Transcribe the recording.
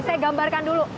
saya gambarkan dulu